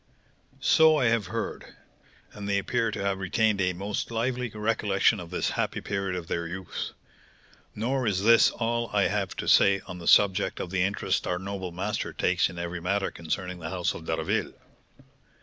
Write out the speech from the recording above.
"So I have heard; and they appear to have retained a most lively recollection of this happy period of their youth. Nor is this all I have to say on the subject of the interest our noble master takes in every matter concerning the house of D'Harville.